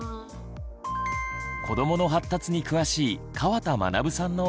子どもの発達に詳しい川田学さんのアドバイスは。